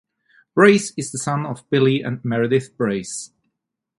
Brace is the son of Billy and Meredith Brace.